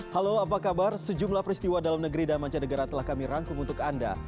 halo apa kabar sejumlah peristiwa dalam negeri dan mancanegara telah kami rangkum untuk anda